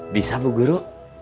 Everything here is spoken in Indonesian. bisa bu guru